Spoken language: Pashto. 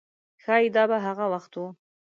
ښایي دا به هغه وخت و.